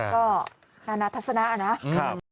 ครับก็นานาทัศนะนะครับ